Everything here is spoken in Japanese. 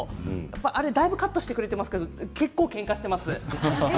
あれ、だいぶカットしてくれていますけど結構けんかしています。